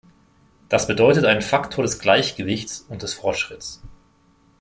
Das bedeutet einen Faktor des Gleichgewichts und des Fortschritts.